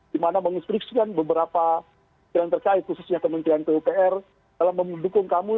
di mana mengistriksikan beberapa hal yang terkait khususnya kementerian kupr dalam mendukung kamu